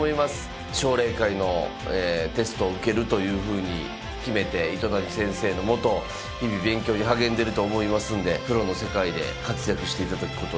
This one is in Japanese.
奨励会のテストを受けるというふうに決めて糸谷先生の下日々勉強に励んでると思いますんでプロの世界で活躍していただくことを祈っております。